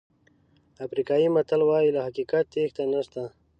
افریقایي متل وایي له حقیقت تېښته نشته.